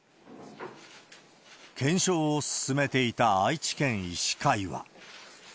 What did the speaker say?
検証を進めていた愛知県医師会は。